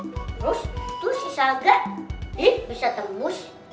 terus itu si saga bisa tembus